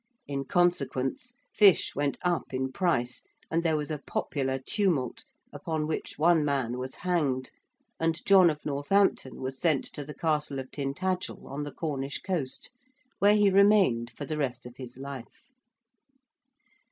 In consequence, fish went up in price and there was a popular tumult, upon which one man was hanged and John of Northampton was sent to the Castle of Tintagel on the Cornish Coast, where he remained for the rest of his life.